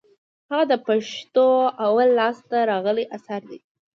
هغه د پښتو اول لاس ته راغلى اثر دئ.